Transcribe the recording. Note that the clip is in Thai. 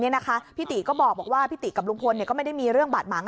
พี่ติก็บอกว่าพี่ติกับลุงพลก็ไม่ได้มีเรื่องบาดหมาง